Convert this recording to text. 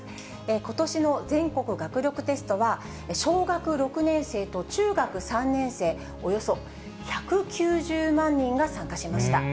ことしの全国学力テストは、小学６年生と中学３年生、およそ１９０万人が参加しました。